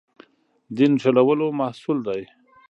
دین نښلولو محصول دی.